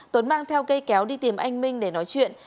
tuấn mang theo cây kéo đi tìm anh minh để nói chuyện